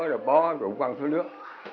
rồi bó rụng văng xuống nước